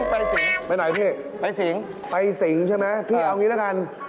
ไปไหนพี่ไปสิงใช่ไหมพี่เอาอย่างนี้แล้วกัน